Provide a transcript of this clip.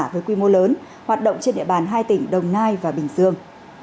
với quy mô lớn hoạt động trên địa bàn hai tỉnh đồng nai và bình dương